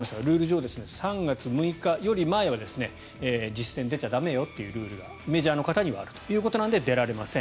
さっきもお伝えしましたがルール上、３月６日より前は実戦出ちゃ駄目よというルールがメジャーの方にはあるということなので出られません。